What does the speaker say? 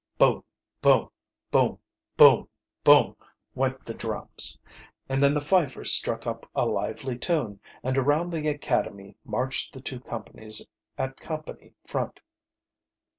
"Boom! boom! boom, boom, boom!" went the drums, and then the fifers struck up a lively tune, and around the academy marched the two companies at company front.